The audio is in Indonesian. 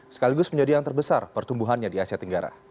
sekaligus menjadi yang terbesar pertumbuhannya di asia tenggara